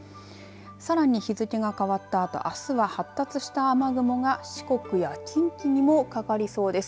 さらに日付が変わったあと、あすは発達した雨雲が四国や近畿にもかかりそうです。